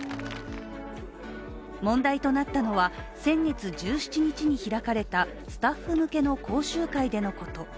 問題となったのは先月１７日に開かれたスタッフ向けの講習会でのこと。